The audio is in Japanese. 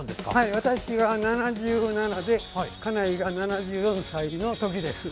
私は７７で家内が７４歳のときです。